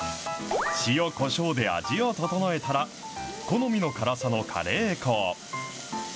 塩、こしょうで味を調えたら、好みの辛さのカレー粉を。